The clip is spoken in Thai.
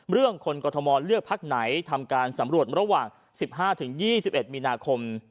เรื่องคนกรทมเลือกพักไหนทำการสำรวจระหว่าง๑๕๒๑มีนาคม